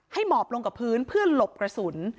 หมอบลงกับพื้นเพื่อหลบกระสุน